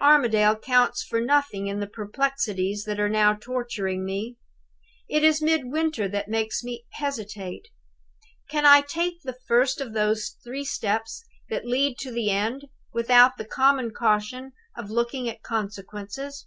"Armadale counts for nothing in the perplexities that are now torturing me. It is Midwinter who makes me hesitate. Can I take the first of those three steps that lead me to the end, without the common caution of looking at consequences?